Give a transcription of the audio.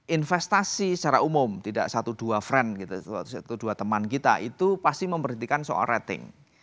investasi secara umum tidak satu dua teman kita itu pasti memberhentikan soal rating